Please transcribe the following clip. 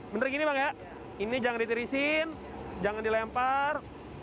bener gini bang ini jangan ditiriskan jangan dilempar